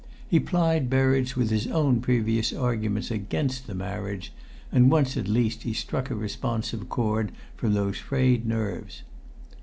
He plied Berridge with his own previous arguments against the marriage, and once at least he struck a responsive chord from those frayed nerves.